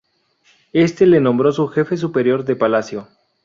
Éste le nombró su Jefe Superior de Palacio.